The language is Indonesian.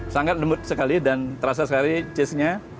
sangat lembut sekali dan terasa sekali cheese nya